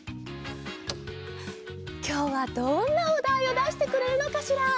きょうはどんなおだいをだしてくれるのかしら？